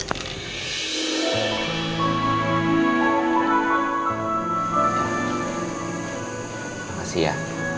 terima kasih ya